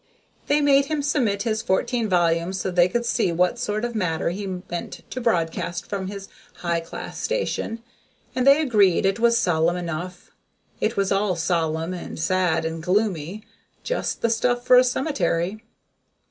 They made him submit his fourteen volumes so they could see what sort of matter he meant to broadcast from his high class station, and they agreed it was solemn enough; it was all solemn and sad and gloomy, just the stuff for a cemetery.